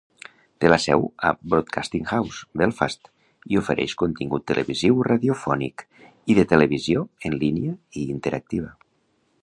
Té la seu a Broadcasting House, Belfast, i ofereix contingut televisiu i radiofònic i de televisió en línia i interactiva.